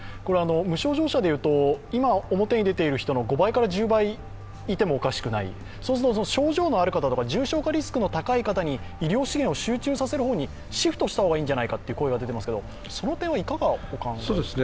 無症状者で言うと、今表に出ている５倍から１０倍いてもおかしくない、そうすると症状のある方とか重症化リスクの高い方に医療資源を集中させる方にシフトした方がいいんじゃないかという声が出ていますが、その点はいかがお考えですか。